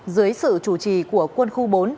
dưới sự chủ trì của quân khu bốn